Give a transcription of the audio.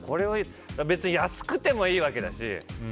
別に安くてもいいわけだし。